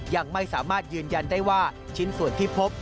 ยังไม่สามารถยืนยันได้ว่าชิ้นส่วนที่พบ